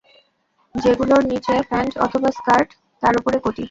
যেগুলোর নিচে প্যান্ট অথবা স্কার্ট আর ওপরে কটি।